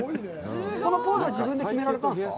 このポーズは自分で決められたんですか？